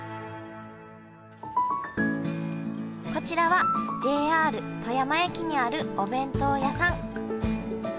こちらはＪＲ富山駅にあるお弁当屋さん。